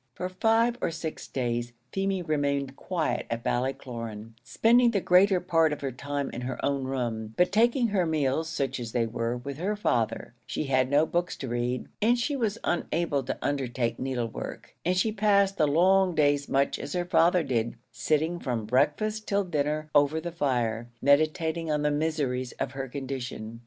For five or six days Feemy remained quiet at Ballycloran spending the greater part of her time in her own room, but taking her meals, such as they were, with her father; she had no books to read, and she was unable to undertake needlework, and she passed the long days much as her father did sitting from breakfast till dinner over the fire, meditating on the miseries of her condition.